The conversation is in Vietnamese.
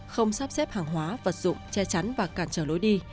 không sắp xếp hàng hóa vật dụng che chắn và cản trở lối đi